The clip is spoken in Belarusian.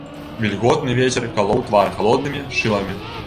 Вільготны вецер калоў твар халоднымі шыламі.